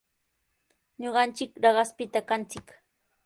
Ñuqanchik Raqashpita kanchik.